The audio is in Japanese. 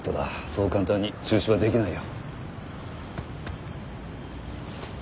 そう簡単に中止はできないよ。